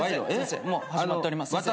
もう回っております。